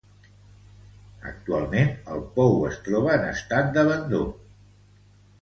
Actualment el pou es troba en estat d'abandó.